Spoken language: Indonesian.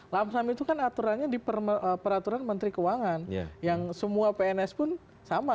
lamsam itu kan aturannya di peraturan menteri keuangan yang semua pns pun sama